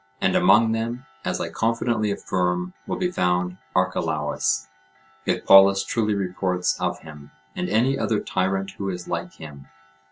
And among them, as I confidently affirm, will be found Archelaus, if Polus truly reports of him, and any other tyrant who is like him.